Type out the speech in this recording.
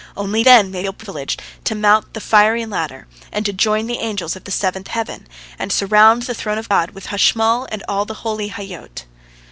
Only then they feel privileged to mount the fiery ladder and join the angels of the seventh heaven, and surround the throne of God with Hashmal and all the holy Hayyot.